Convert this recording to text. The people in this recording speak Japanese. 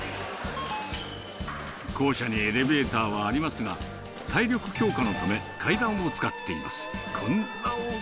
校舎にエレベーターはありますが、体力強化のため、階段を使っています。